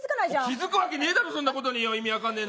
気付くわけねぇだろ、そんなことに、意味分かんねぇな。